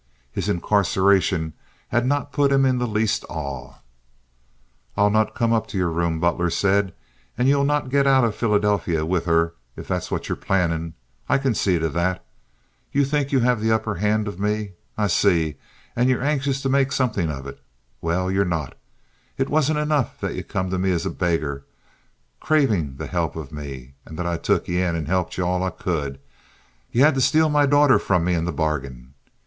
His incarceration had not put him in the least awe. "I'll not come up to your room," Butler said, "and ye'll not get out of Philadelphy with her if that's what ye're plannin'. I can see to that. Ye think ye have the upper hand of me, I see, and ye're anxious to make something of it. Well, ye're not. It wasn't enough that ye come to me as a beggar, cravin' the help of me, and that I took ye in and helped ye all I could—ye had to steal my daughter from me in the bargain.